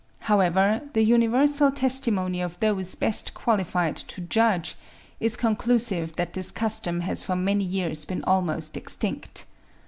However, the universal testimony of those best qualified to judge, is conclusive that this custom has for many years been almost extinct.